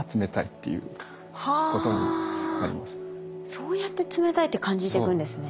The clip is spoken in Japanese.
そうやって冷たいって感じていくんですね。